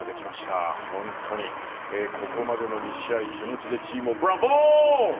本当に、ここまでの２試合気持ちで本当にブラボー。